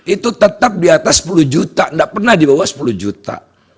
itu tetap di atas sepuluh juta tidak pernah di bawah sepuluh juta